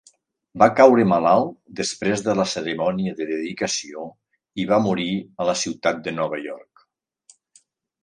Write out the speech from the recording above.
Va caure malalt després de la cerimònia de dedicació i va morir a la ciutat de Nova York.